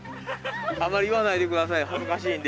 あんまり言わないで下さい恥ずかしいんで。